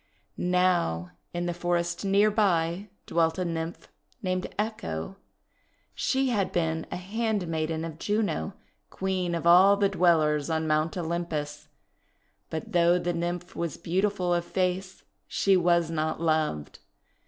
Now, in the forest near by dwelt a Nymph named Echo. She had been a handmaiden of Juno, Queen of all the Dwellers on Mount Olym pus. But though the Nymph was beautiful of face, she was not loved.